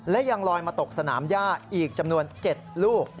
และยังลอยมาตกสนามย่าอีกจำนวน๗ลูก